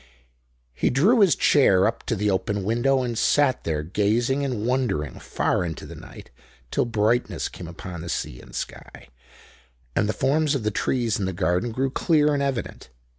He drew his chair up to the open window and sat there gazing and wondering far into the night, till brightness came upon the sea and sky, and the forms of the trees in the garden grew clear and evident.